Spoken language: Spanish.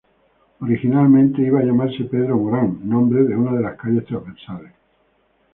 Originalmente iba a llamarse "Pedro Morán", nombre de una de las calles transversales.